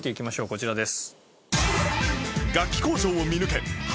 こちらです。